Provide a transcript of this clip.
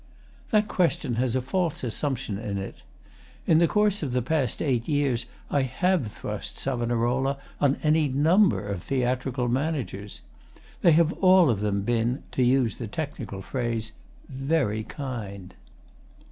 That question has a false assumption in it. In the course of the past eight years I have thrust 'Savonarola' on any number of theatrical managers. They have all of them been (to use the technical phrase) 'very kind.